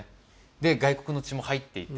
で外国の血も入っていて。